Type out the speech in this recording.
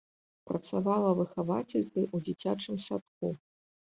Працавала выхавацелькай у дзіцячым садку.